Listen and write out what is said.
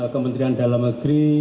kementerian dalam negeri